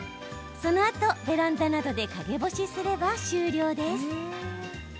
そのあと、ベランダなどで陰干しすれば終了です。